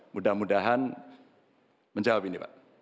mudah mudahan menjawab ini pak